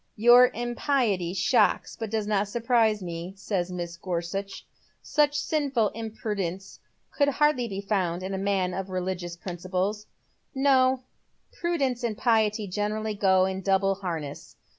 " Your impiety shocks but does not surprise me," says Mrs. Gorsuch. " Such sinful imprudence could hardly be found in a man of religious principles." *' No, prudence and piety generally go in double harness.